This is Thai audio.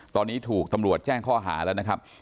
ตอนนี้ถูกตำรวจแจ้งข้อหาแล้วนะครับ